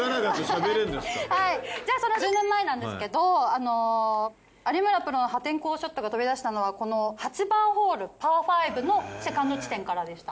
はいじゃあその１０年前なんですけど有村プロの破天荒ショットが飛び出したのはこの８番ホールパー５のセカンド地点からでした。